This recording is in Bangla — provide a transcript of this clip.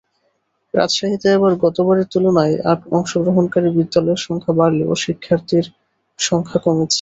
রাজশাহীতে এবার গতবারের তুলনায় অংশগ্রহণকারী বিদ্যালয়ের সংখ্যা বাড়লেও শিক্ষার্থীর সংখ্যা কমেছে।